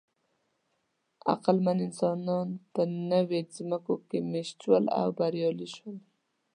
عقلمن انسانان په نوې ځمکو کې مېشت شول او بریالي شول.